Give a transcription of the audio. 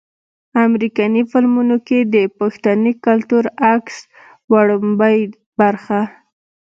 امريکني فلمونو کښې د پښتني کلتور عکس وړومبۍ برخه